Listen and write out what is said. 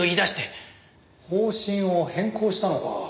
方針を変更したのか。